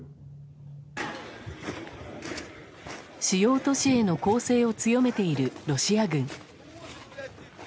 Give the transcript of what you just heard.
主要都市への攻勢を強めているロシア軍。